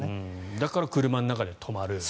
だから車の中で泊まる。